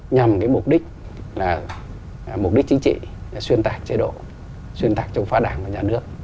nhằm ký mục đích chính trị xuyên tạc chế độ xuyên tạc chống phá đảng và nhà nước